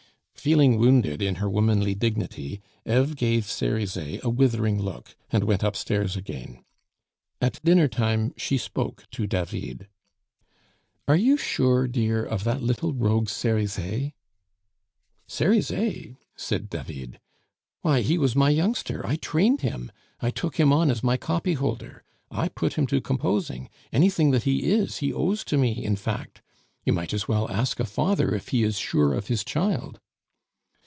Feeling wounded in her womanly dignity, Eve gave Cerizet a withering look and went upstairs again. At dinner time she spoke to David. "Are you sure, dear, of that little rogue Cerizet?" "Cerizet!" said David. "Why, he was my youngster; I trained him, I took him on as my copy holder. I put him to composing; anything that he is he owes to me, in fact! You might as well ask a father if he is sure of his child."